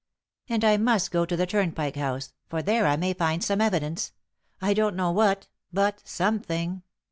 And I must go to the Turnpike House, for there I may find some evidence I don't know what but something."